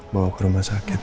bawa ke rumah sakit